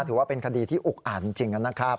ถือว่าเป็นคดีที่อุกอาจจริงนะครับ